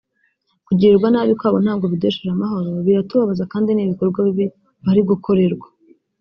kugirirwa nabi kwabo ntabwo biduhesheje amahoro biratubabaza kandi ni ibikorwa bibi bari gukorerwa